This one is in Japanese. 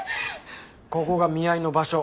ここが見合いの場所。